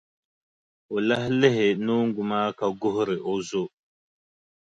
O lahi lihi noongu maa ka guhiri o zo.